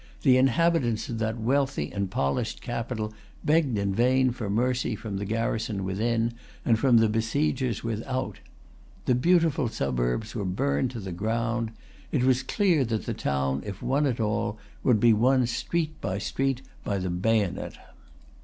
The inhabitants of that wealthy and polished capital begged in vain for mercy from the garrison within, and from the besiegers without. The beautiful suburbs were burned to the ground. It was clear that the town, if won at all, would be won street by street by the bayonet.